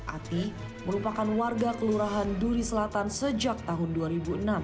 ati merupakan warga kelurahan duri selatan sejak tahun dua ribu enam